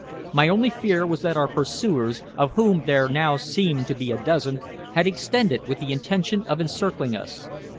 My only fear was that our pursuers, of whom there now seemed to be a dozen, had extended, with the intention of encircling us.